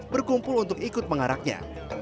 berkumpul untuk ikut mengaraknya